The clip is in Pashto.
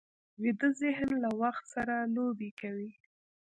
ویده ذهن له وخت سره لوبې کوي